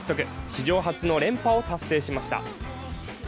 史上初の連覇を達成しました。